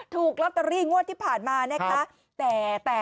ถูกลอตเตอรี่งวดที่ผ่านมานะคะ